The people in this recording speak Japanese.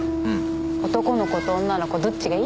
男の子と女の子どっちがいい？